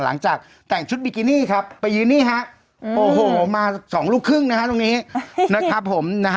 หลังจากแต่งชุดบิกินี่ครับไปยืนโอ้โหมา๒ลูกครึ่งนะครับตรงนี้